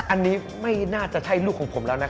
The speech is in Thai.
อันนี้ไม่น่าจะใช่ลูกของผมแล้วนะคะ